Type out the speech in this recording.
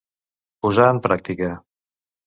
Posar en pràctica.